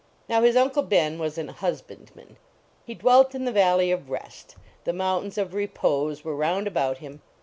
Now his Uncle Ben was an husbandman. He dwelt in the Valley of Re t ; the mountains of re pose were roundabout him.